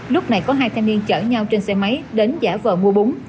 lúc này có hai thanh niên chở nhau trên xe máy đến giả vợ mua bún